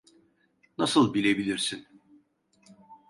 Nasıl bilebilirsin?